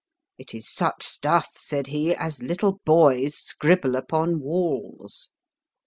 * It is such stuff, said he, * as little boys scribble upon walls.